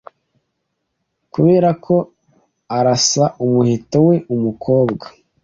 Kuberako arasa umuheto we Umukobwa